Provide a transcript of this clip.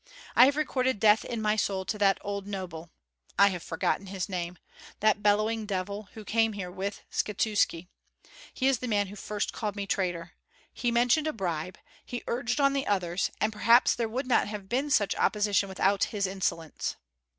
I have recorded death in my soul to that old noble, I have forgotten his name, that bellowing devil who came here with Skshetuski. He is the man who first called me traitor. He mentioned a bribe; he urged on the others, and perhaps there would not have been such opposition without his insolence."